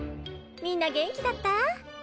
みんな元気だった？